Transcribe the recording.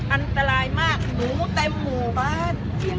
อันตรายมากหนูเต็มหมู่บ้าน